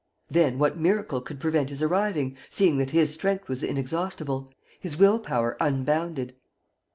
Then what miracle could prevent his arriving, seeing that his strength was inexhaustible, his will power unbounded?